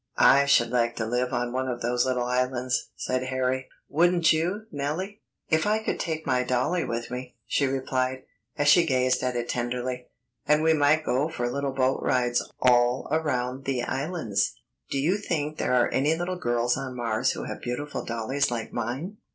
"I should like to live on one of those little islands," said Harry. "Wouldn't you, Nellie?" "If I could take my dollie with me," she replied, as she gazed at it tenderly. "And we might go for little boat rides all around the islands. Do you think there are any little girls on Mars who have beautiful dollies like mine?"